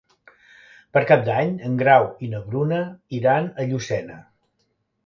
Per Cap d'Any en Grau i na Bruna iran a Llucena.